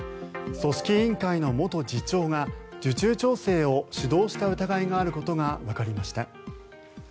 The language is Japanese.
組織委員会の元次長が受注調整を主導した疑いがあることがわかりました。